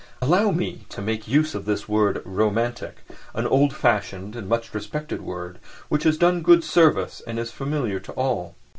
(Allow me to make use of this word "romantic"—an old fashioned and much respected word which has done good service and is familiar to all.)